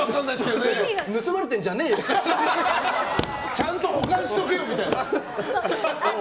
ちゃんと保管しとけよみたいな？